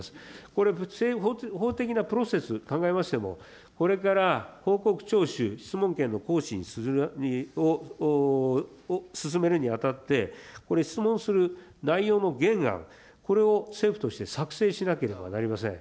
これ、法的なプロセス考えましても、これから報告徴収、質問権の行使を進めるにあたって、これ、質問する内容の原案、これを政府として作成しなければなりません。